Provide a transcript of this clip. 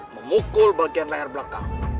memukul bagian layar belakang